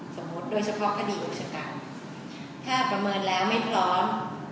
สมมติโดยเฉพาะประเด็นกิจการถ้าประเมินแล้วไม่พร้อม